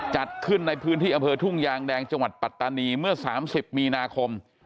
จัดขึ้นในพื้นที่อำเภอทุ่งยางแดงจังหวัดปัตตานีเมื่อ๓๐มีนาคม